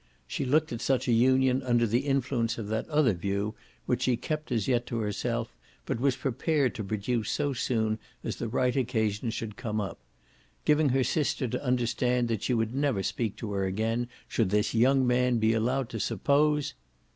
She looked at such a union under the influence of that other view which she kept as yet to herself but was prepared to produce so soon as the right occasion should come up; giving her sister to understand that she would never speak to her again should this young man be allowed to suppose